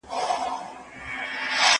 لکه د انسانانو په څېر.